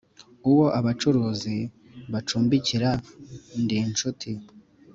Uwo abacuruzi bacumbikira ndi incuti